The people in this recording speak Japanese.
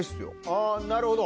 あぁなるほど。